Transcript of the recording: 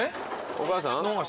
お母さん？